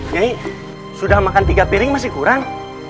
nyai sudah makan tiga piring masih kurang